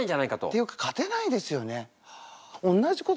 っていうか勝てないですよね。